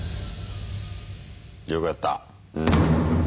よくやったうん。